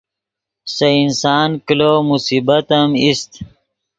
سے انسان کلو مصیبت ام ایست